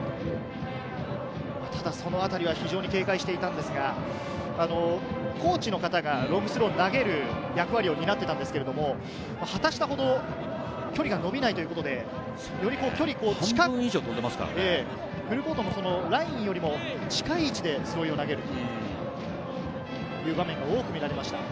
ただ、そのあたりは非常に警戒していたんですが、コーチの方がロングスローを投げる役割を担っていたんですけれど、畑下ほど距離が伸びないということで、より距離近く、フルコートのラインよりも近い位置でスローインを投げていたという場面が多く見られました。